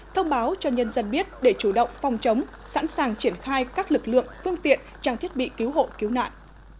thông báo cho nhân dân biết để chủ động phòng chống sẵn sàng triển khai các lực lượng phương tiện trang thiết bị cứu hộ cứu nạn